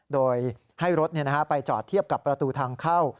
โดยให้รถไปจอดเทียบกับประตูทางเข้า